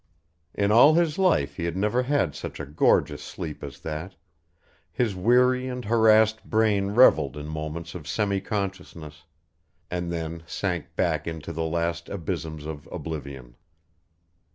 In all his life he had never had such a gorgeous sleep as that, his weary and harassed brain revelled in moments of semi consciousness, and then sank back into the last abysms of oblivion.